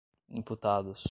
imputados